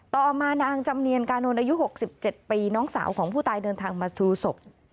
ต่อมานางจำเนียนกานนท์อายุ๖๗ปีน้องสาวของผู้ตายเดินทางมาชูศพ